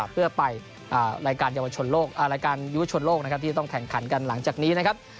เพื่อไปรายการยุทธชนโลกที่จะต้องแท่งขันกันหลังจากนี้นะครับ